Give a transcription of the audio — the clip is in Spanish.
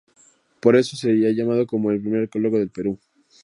Por eso, se le ha llamado como el primer arqueólogo del Perú.